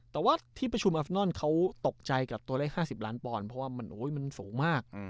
แต่ว่าที่ประชุมอัฟนอนเขาตกใจกับตัวเลข๕๐ล้านปอนด์เพราะว่ามันสูงมาก